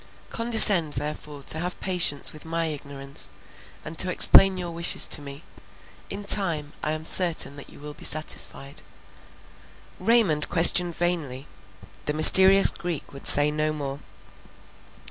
Condescend therefore to have patience with my ignorance, and to explain your wishes to me; in time I am certain that you will be satisfied." Raymond questioned vainly; the mysterious Greek would say no more.